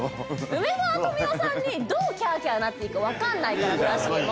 梅沢富美男さんにどうキャーキャーなっていいかわかんないから村重も。